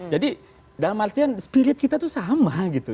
jadi dalam artian spirit kita tuh sama gitu